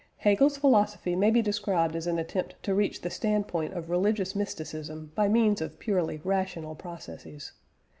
Hegel's philosophy may be described as an attempt to reach the standpoint of religious mysticism by means of purely rational processes.